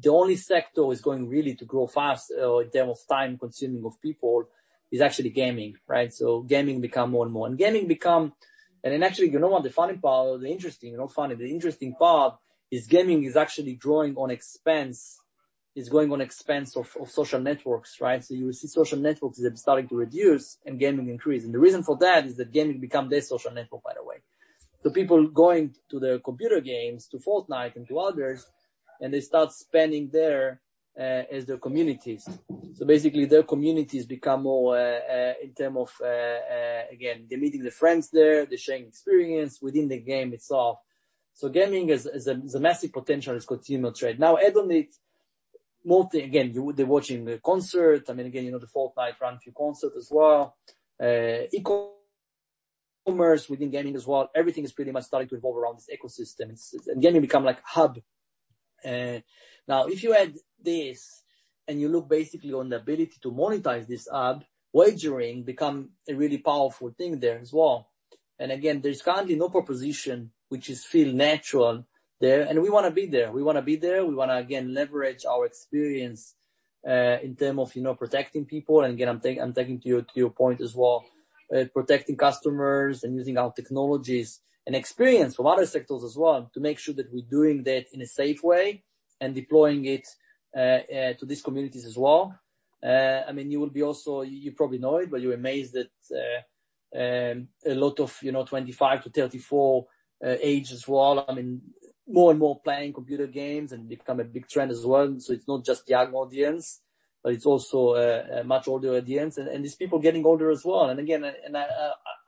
Speaker 2: the only sector that's going really to grow fast in terms of time-consuming of people is actually gaming, right? Gaming becomes more and more. Actually, you know what? The funny part, the interesting part is gaming is actually growing at the expense. It's going at the expense of social networks, right? You will see social networks are starting to reduce and gaming increase. The reason for that is that gaming becomes their social network, by the way. People are going to their computer games to Fortnite and to others, and they start spending there as their communities. Basically, their communities become more in terms of, again, they're meeting their friends there. They're sharing experience within the game itself. Gaming has a massive potential as a consumer trade. Now, add on it, again, they're watching a concert. I mean, again, the Fortnite run through concerts as well. E-commerce within gaming as well. Everything is pretty much starting to evolve around this ecosystem. And gaming becomes like a hub. Now, if you add this and you look basically on the ability to monetize this hub, wagering becomes a really powerful thing there as well. And again, there's currently no proposition which feels natural there. And we want to be there. We want to be there. We want to, again, leverage our experience in terms of protecting people. And again, I'm taking to your point as well, protecting customers and using our technologies and experience from other sectors as well to make sure that we're doing that in a safe way and deploying it to these communities as well. I mean, you will be also, you probably know it, but you're amazed that a lot of 25-34 age as well, I mean, more and more playing computer games, and it becomes a big trend as well, so it's not just the young audience, but it's also a much older audience, and these people are getting older as well, and again, I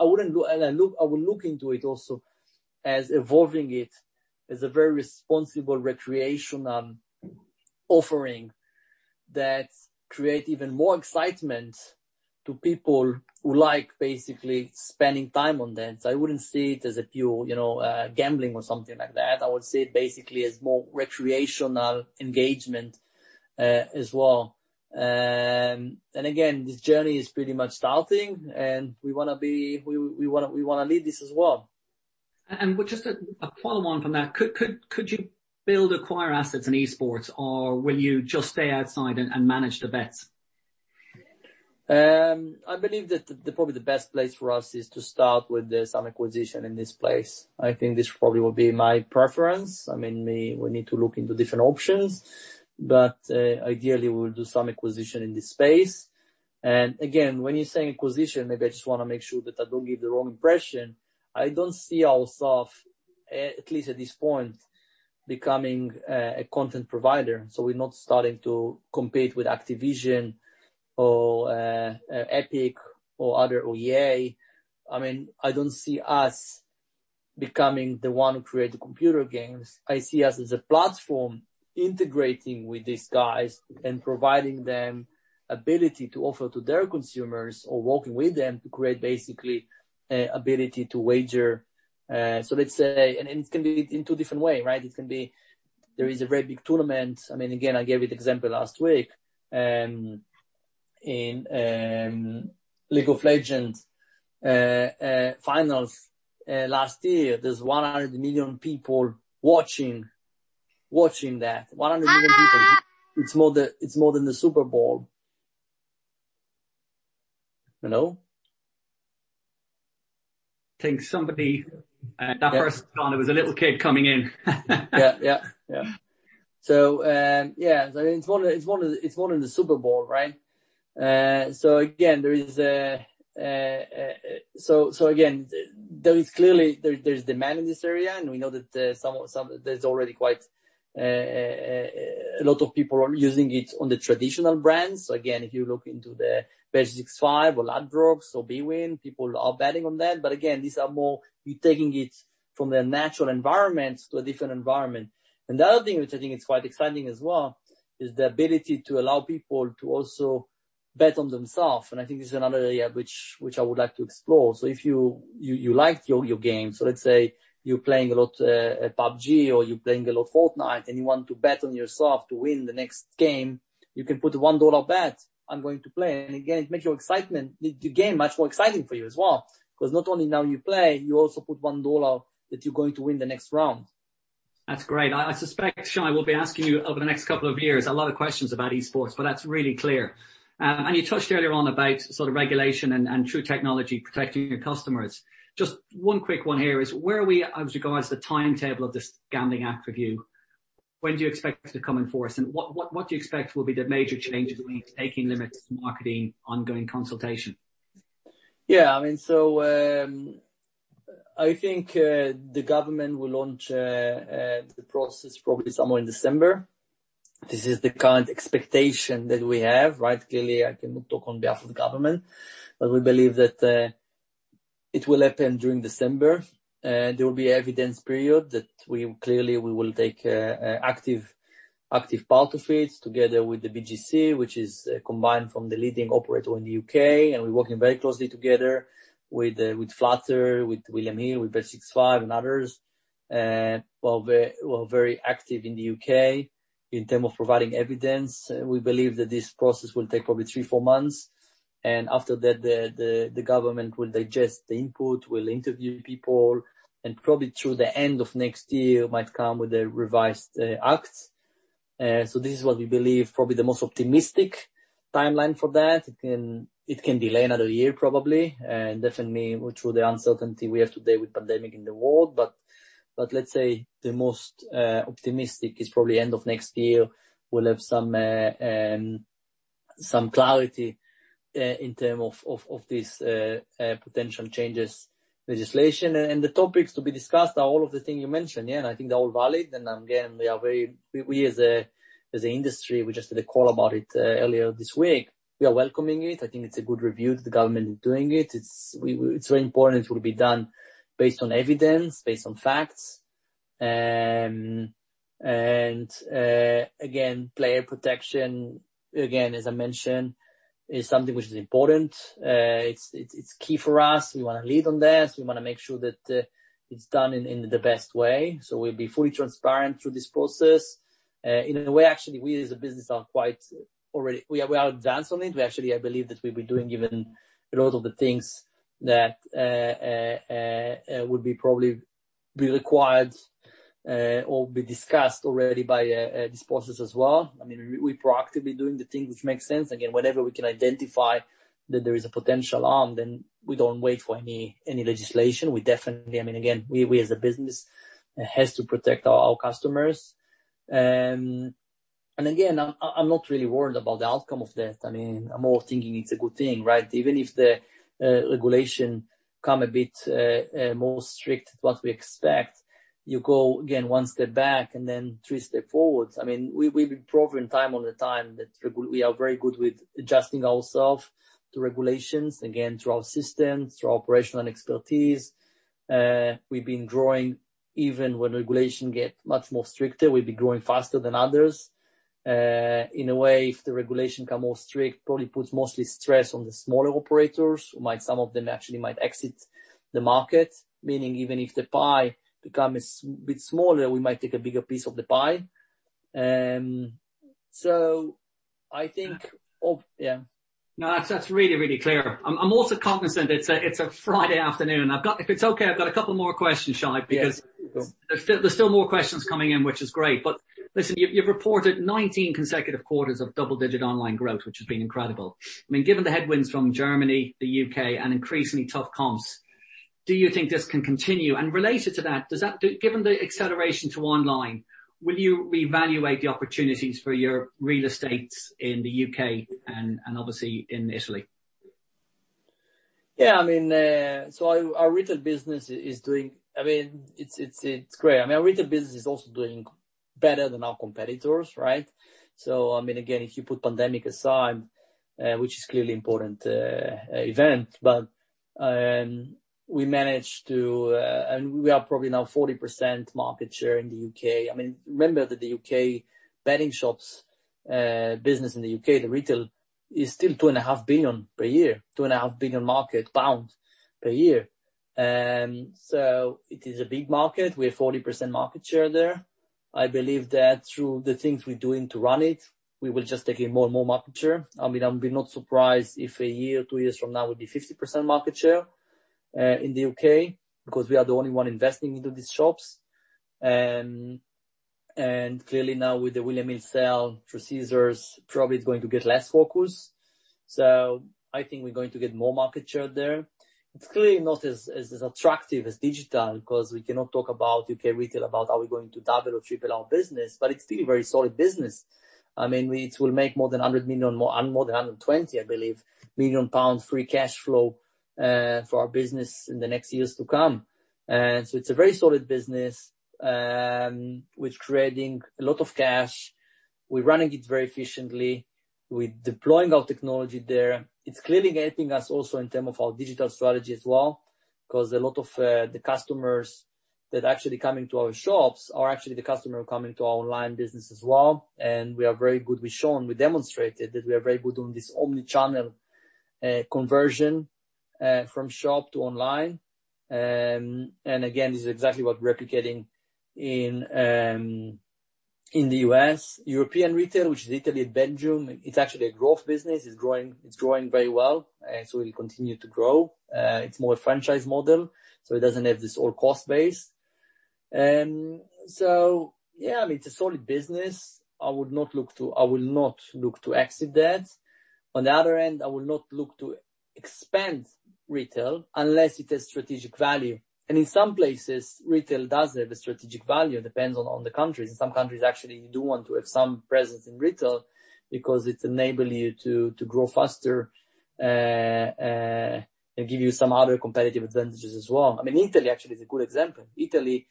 Speaker 2: would look into it also as evolving it as a very responsible recreational offering that creates even more excitement to people who like basically spending time on that, so I wouldn't see it as a pure gambling or something like that. I would see it basically as more recreational engagement as well, and again, this journey is pretty much starting, and we want to be, we want to lead this as well.
Speaker 1: Just a follow-on from that, could you build acquired assets in esports, or will you just stay outside and manage the bets?
Speaker 2: I believe that probably the best place for us is to start with some acquisition in this place. I think this probably will be my preference. I mean, we need to look into different options, but ideally, we will do some acquisition in this space. And again, when you're saying acquisition, maybe I just want to make sure that I don't give the wrong impression. I don't see ourselves, at least at this point, becoming a content provider. So we're not starting to compete with Activision or Epic or others, EA. I mean, I don't see us becoming the one who creates the computer games. I see us as a platform integrating with these guys and providing them the ability to offer to their consumers or working with them to create basically the ability to wager. So let's say, and it can be in two different ways, right? It can be there is a very big tournament. I mean, again, I gave you the example last week in League of Legends finals last year. There's 100 million people watching that. 100 million people. It's more than the Super Bowl. Hello?
Speaker 1: I think somebody, and that person thought it was a little kid coming in.
Speaker 2: Yeah, yeah, yeah. So yeah, it's more than the Super Bowl, right? So again, there is clearly demand in this area, and we know that there's already quite a lot of people using it on the traditional brands. So again, if you look into Bet365 or Ladbrokes or bwin, people are betting on that. But again, these are more. You're taking it from the natural environment to a different environment. And the other thing which I think is quite exciting as well is the ability to allow people to also bet on themselves. And I think this is another area which I would like to explore. If you liked your game, so let's say you're playing a lot of PUBG or you're playing a lot of Fortnite and you want to bet on yourself to win the next game, you can put a $1 bet. I'm going to play. And again, it makes your excitement. The game is much more exciting for you as well because not only now you play, you also put $1 that you're going to win the next round.
Speaker 1: That's great. I suspect Shay will be asking you over the next couple of years a lot of questions about esports, but that's really clear. And you touched earlier on about sort of regulation and true technology protecting your customers. Just one quick one here is where are we as regards to the timetable of this gambling app review? When do you expect it to come in force? And what do you expect will be the major changes we need to take in limits to marketing ongoing consultation?
Speaker 2: Yeah. I mean, so I think the government will launch the process probably somewhere in December. This is the current expectation that we have, right? Clearly, I cannot talk on behalf of the government, but we believe that it will happen during December. There will be an evidence period that clearly we will take an active part of it together with the BGC, which is combined from the leading operator in the UK, and we're working very closely together with Flutter, with William Hill, with Bet365, and others. We're very active in the UK in terms of providing evidence. We believe that this process will take probably three, four months, and after that, the government will digest the input, will interview people, and probably through the end of next year, might come with a revised act. So this is what we believe is probably the most optimistic timeline for that. It can delay another year probably. And definitely through the uncertainty we have today with the pandemic in the world, but let's say the most optimistic is probably the end of next year. We'll have some clarity in terms of these potential changes in legislation. And the topics to be discussed are all of the things you mentioned. Yeah, and I think they're all valid. And again, we are very—we as an industry, we just had a call about it earlier this week. We are welcoming it. I think it's a good review. The government is doing it. It's very important it will be done based on evidence, based on facts. And again, player protection, again, as I mentioned, is something which is important. It's key for us. We want to lead on that. We want to make sure that it's done in the best way. So we'll be fully transparent through this process. In a way, actually, we as a business are quite already. We are advanced on it. We actually believe that we'll be doing even a lot of the things that would probably be required or be discussed already by this process as well. I mean, we're proactively doing the things which make sense. Again, whenever we can identify that there is a potential harm, then we don't wait for any legislation. We definitely. I mean, again, we as a business have to protect our customers. And again, I'm not really worried about the outcome of that. I mean, I'm more thinking it's a good thing, right? Even if the regulation comes a bit more strict than what we expect, you go, again, one step back and then three steps forward. I mean, we've been proving time over time that we are very good with adjusting ourselves to regulations, again, through our systems, through our operational expertise. We've been growing even when regulations get much more stricter. We've been growing faster than others. In a way, if the regulation becomes more strict, it probably puts mostly stress on the smaller operators, who might, some of them actually might exit the market, meaning even if the pie becomes a bit smaller, we might take a bigger piece of the pie. So I think, yeah.
Speaker 1: No, that's really, really clear. I'm also cognizant it's a Friday afternoon. If it's okay, I've got a couple more questions, Shay, because there's still more questions coming in, which is great. But listen, you've reported 19 consecutive quarters of double-digit online growth, which has been incredible. I mean, given the headwinds from Germany, the UK, and increasingly tough comps, do you think this can continue? And related to that, given the acceleration to online, will you reevaluate the opportunities for your real estate in the UK and obviously in Italy?
Speaker 2: Yeah. I mean, so our retail business is doing. I mean, it's great. I mean, our retail business is also doing better than our competitors, right? So I mean, again, if you put the pandemic aside, which is clearly an important event, but we managed to. I mean, we are probably now 40% market share in the UK. I mean, remember that the UK betting shops business in the UK, the retail, is still pounds 2.5 billion per year, pounds 2.5 billion market pound per year. So it is a big market. We have 40% market share there. I believe that through the things we're doing to run it, we will just take in more and more market share. I mean, I'll be not surprised if a year or two years from now, we'll be 50% market share in the UK. because we are the only ones investing into these shops. Clearly now with the William Hill sale through Caesars, probably it's going to get less focus. I think we're going to get more market share there. It's clearly not as attractive as digital because we cannot talk about UK retail about how we're going to double or triple our business, but it's still a very solid business. I mean, it will make more than pounds 100 million and more than pounds 120 million, I believe, pounds free cash flow for our business in the next years to come. It's a very solid business, which is creating a lot of cash. We're running it very efficiently. We're deploying our technology there. It's clearly getting us also in terms of our digital strategy as well because a lot of the customers that are actually coming to our shops are actually the customers coming to our online business as well. We are very good. We've shown, we've demonstrated that we are very good on this omnichannel conversion from shop to online. And again, this is exactly what we're replicating in the US European retail, which is Italy and Belgium, it's actually a growth business. It's growing very well, and so it'll continue to grow. It's more a franchise model, so it doesn't have this whole cost base. So yeah, I mean, it's a solid business. I would not look to. I will not look to exit that. On the other end, I will not look to expand retail unless it has strategic value. And in some places, retail does have a strategic value. It depends on the countries. In some countries, actually, you do want to have some presence in retail because it enables you to grow faster and give you some other competitive advantages as well. I mean, Italy actually is a good example. Italy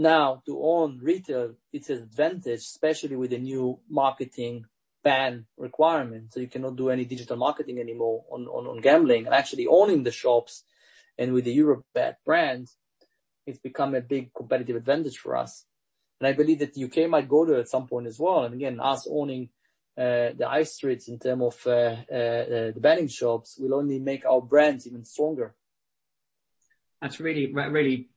Speaker 2: now, to own retail, it's an advantage, especially with the new marketing ban requirements, so you cannot do any digital marketing anymore on gambling, and actually owning the shops and with the Eurobet brand, it's become a big competitive advantage for us, and I believe that the UK might go there at some point as well, and again, us owning the high streets in terms of the betting shops will only make our brands even stronger.
Speaker 1: That's really,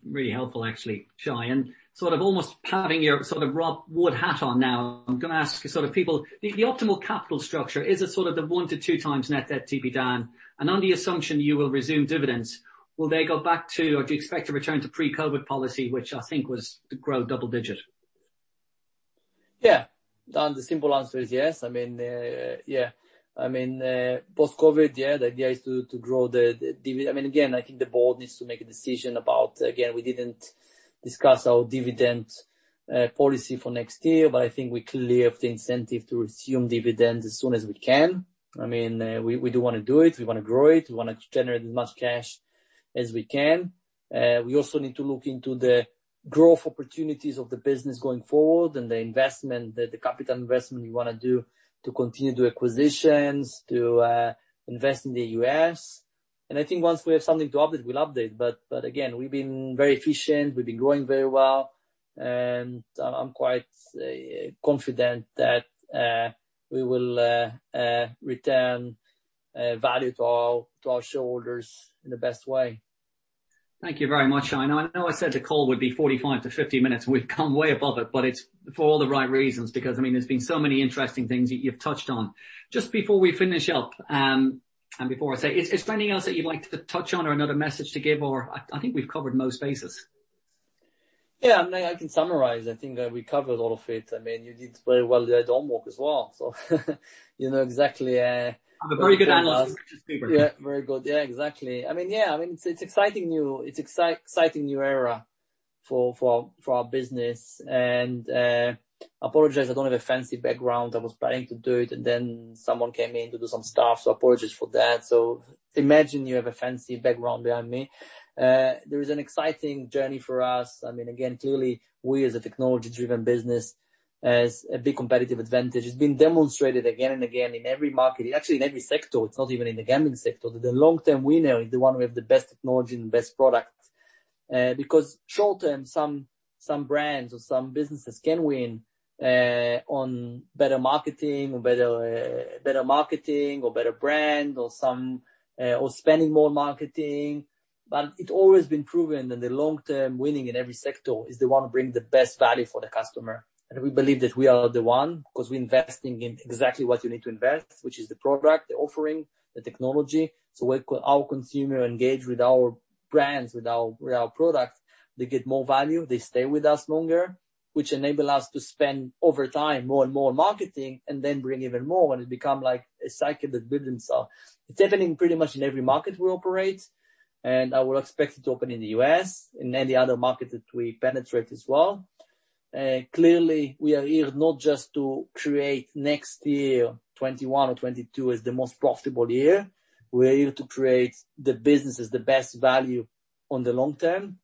Speaker 1: really helpful, actually, Shay. And sort of almost having your sort of Rob Wood hat on now, I'm going to ask sort of people, the optimal capital structure, is it sort of the one to two times net debt to EBITDA, and under the assumption you will resume dividends, will they go back to, or do you expect to return to pre-COVID policy, which I think was to grow double-digit?
Speaker 2: Yeah. The simple answer is yes. I mean, yeah. I mean, post-COVID, yeah, the idea is to grow the—I mean, again, I think the board needs to make a decision about, again, we didn't discuss our dividend policy for next year, but I think we clearly have the incentive to resume dividends as soon as we can. I mean, we do want to do it. We want to grow it. We want to generate as much cash as we can. We also need to look into the growth opportunities of the business going forward and the investment, the capital investment we want to do to continue the acquisitions, to invest in the US. And I think once we have something to update, we'll update. But again, we've been very efficient. We've been growing very well. I'm quite confident that we will return value to our shareholders in the best way.
Speaker 1: Thank you very much, Shay. Now, I know I said the call would be 45-50 minutes. We've gone way above it, but it's for all the right reasons because, I mean, there's been so many interesting things that you've touched on. Just before we finish up and before I say, is there anything else that you'd like to touch on or another message to give, or I think we've covered most bases?
Speaker 2: Yeah. I mean, I can summarize. I think we covered all of it. I mean, you did very well at homework as well. So you know exactly.
Speaker 1: I'm a very good analyst.
Speaker 2: Yeah, very good. Yeah, exactly. I mean, yeah, I mean, it's an exciting new era for our business. And I apologize. I don't have a fancy background. I was planning to do it, and then someone came in to do some stuff. So I apologize for that. So imagine you have a fancy background behind me. There is an exciting journey for us. I mean, again, clearly, we as a technology-driven business have a big competitive advantage. It's been demonstrated again and again in every market, actually in every sector. It's not even in the gambling sector. The long-term winner is the one who has the best technology and the best product because short-term, some brands or some businesses can win on better marketing or better brand or spending more marketing. It has always been proven that the long-term winning in every sector is the one who brings the best value for the customer. We believe that we are the one because we're investing in exactly what you need to invest, which is the product, the offering, the technology. Our consumers engage with our brands, with our products. They get more value. They stay with us longer, which enables us to spend over time more and more marketing and then bring even more. It becomes like a cycle that builds themselves. It's happening pretty much in every market we operate. I would expect it to open in the US and any other market that we penetrate as well. Clearly, we are here not just to create next year, 2021 or 2022, as the most profitable year. We're here to create the businesses, the best value on the long term.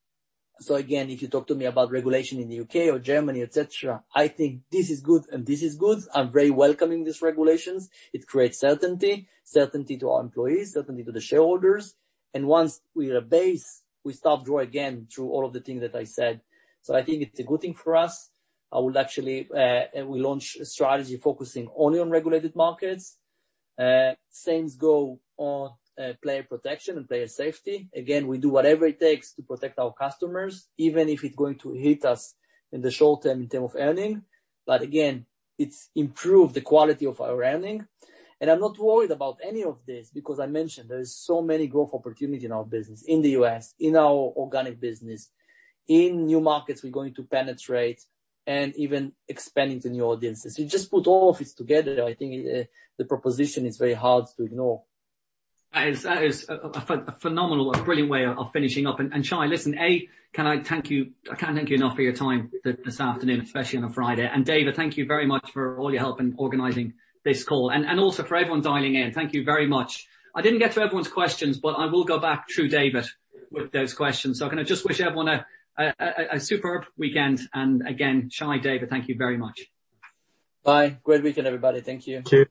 Speaker 2: So again, if you talk to me about regulation in the UK or Germany, etc., I think this is good and this is good. I'm very welcoming these regulations. It creates certainty, certainty to our employees, certainty to the shareholders. And once we have a base, we start to grow again through all of the things that I said. So I think it's a good thing for us. I will actually launch a strategy focusing only on regulated markets. Same goes for player protection and player safety. Again, we do whatever it takes to protect our customers, even if it's going to hit us in the short term in terms of earning. But again, it's improved the quality of our earning. I'm not worried about any of this because I mentioned there are so many growth opportunities in our business, in the US, in our organic business, in new markets we're going to penetrate and even expanding to new audiences. You just put all of it together. I think the proposition is very hard to ignore.
Speaker 1: That is a phenomenal, brilliant way of finishing up. And Shay, listen, can I thank you? I can't thank you enough for your time this afternoon, especially on a Friday. And David, thank you very much for all your help in organizing this call. And also for everyone dialing in, thank you very much. I didn't get to everyone's questions, but I will go back through David with those questions. So I'm going to just wish everyone a superb weekend. And again, Shay, David, thank you very much.
Speaker 2: Bye. Great weekend, everybody. Thank you.